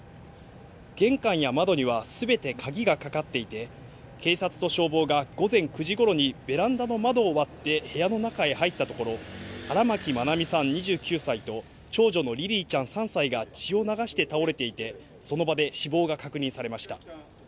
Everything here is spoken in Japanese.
玄関や窓にはすべて鍵がかかっていて、警察と消防が午前９時ごろにベランダの窓を割って、部屋の中へ入ったところ、荒牧愛美さん２９歳と、長女のリリィちゃん３歳が血を流して倒れていて、その場で死亡が確認されました。